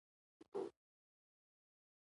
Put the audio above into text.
ګرده بدن يې زخمي زخمي وو.